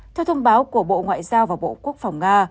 theo thông báo của bộ ngoại giao và bộ quốc phòng nga